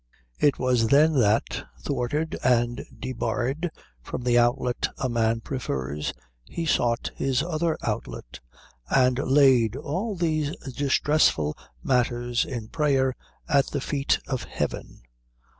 It was then that, thwarted and debarred from the outlet a man prefers, he sought his other outlet, and laid all these distressful matters in prayer at the feet of heaven.